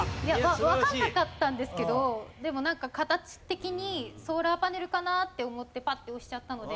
わからなかったんですけどでもなんか形的にソーラーパネルかなって思ってパッて押しちゃったので。